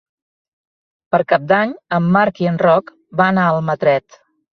Per Cap d'Any en Marc i en Roc van a Almatret.